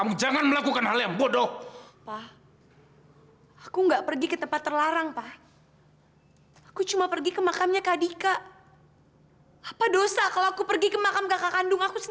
mungkin akan minggu ini juga